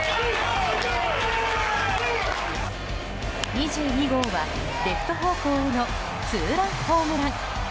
２２号は、レフト方向へのツーランホームラン。